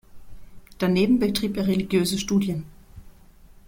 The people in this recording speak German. Daneben betrieb er religiöse Studien.